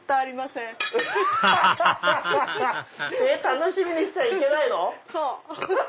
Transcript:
楽しみにしちゃいけないの⁉そう！